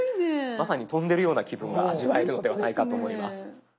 まさに飛んでるような気分が味わえるのではないかと思います。